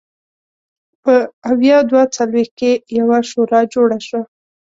په ویا دوه څلوېښت کې یوه شورا جوړه شوه.